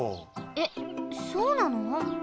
えっそうなの？